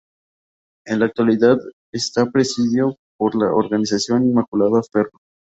En la actualidad está presidido por la organista Inmaculada Ferro.